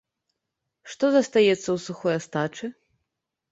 Што застаецца ў сухой астачы?